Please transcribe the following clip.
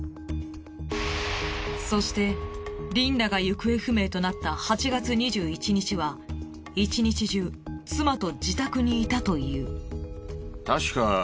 そしてリンダが行方不明となった８月２１日は１日中妻と自宅にいたという。